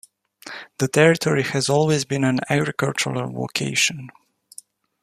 The territory has always been an agricultural vocation.